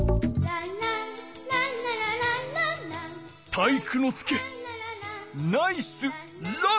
体育ノ介ナイスラン！